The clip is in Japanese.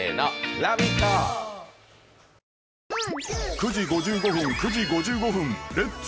９時５５分９時５５分「レッツ！